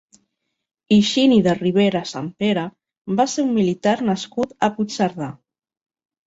Higini de Rivera Sempere va ser un militar nascut a Puigcerdà.